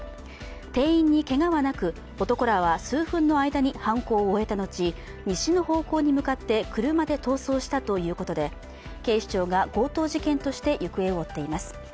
店員にけがはなく、男らは数分の間に犯行を終えた後、西の方向に向かって車で逃走したということで警視庁が強盗事件として行方を追っています。